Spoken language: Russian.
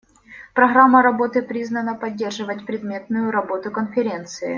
Программа работы призвана поддерживать предметную работу Конференции.